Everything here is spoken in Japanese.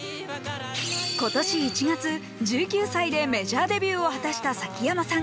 今年１月１９歳でメジャーデビューを果たした崎山さん。